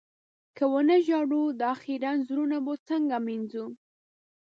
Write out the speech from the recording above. که و نه ژاړو، دا خيرن زړونه به څنګه مينځو؟